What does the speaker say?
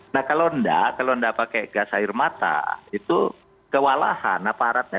nah kalau enggak kalau enggak pakai gas air mata itu kewalahan aparatnya